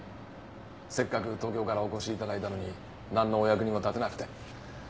せっかく東京からお越しいただいたのに何のお役にも立てなくて。